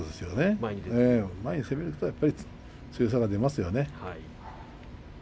前に攻めると強さが出ますね。